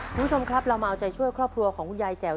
คุณผู้ชมครับเรามาเอาใจช่วยครอบครัวของคุณยายแจ๋ว